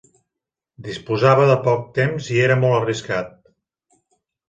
Disposava de poc temps i era molt arriscat.